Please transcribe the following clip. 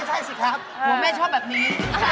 ผู้แม่ชอบแบบนี้